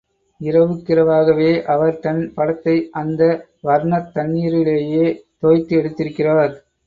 இரவுக்கிரவாகவே அவர் தன் படத்தை அந்த வர்ணத் தண்ணீரிலேயே தோய்த்து எடுத்திருக்கிறார்.